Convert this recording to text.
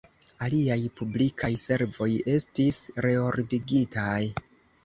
Aliaj publikaj servoj estis “reordigitaj.